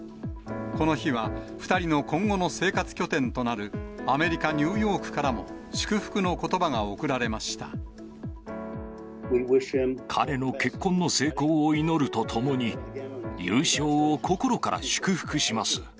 この日は、２人の今後の生活拠点となるアメリカ・ニューヨークからも、彼の結婚の成功を祈るとともに、優勝を心から祝福します。